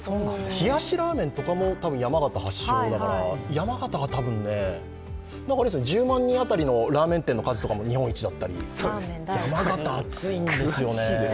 冷やしラーメンとかもたぶん山形発祥だから山形が、なんか、１０万人当たりのラーメン店の数も日本一だったり、山形熱いですね。